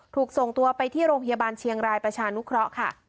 ถูกส่งตัวไปที่โรงพยาบาลเชียงรายประชานุเคราะห์ค่ะ